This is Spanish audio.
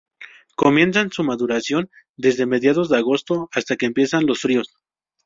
Comienzan su maduración desde mediados de agosto hasta que empiezan los fríos.